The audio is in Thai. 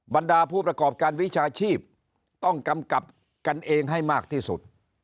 บรรดาผู้ประกอบการวิชาชีพต้องกำกับกันเองให้มากที่สุด